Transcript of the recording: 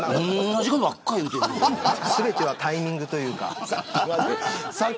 全てはタイミングというか。